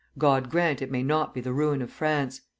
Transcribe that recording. God grant it may not be the ruin of France!...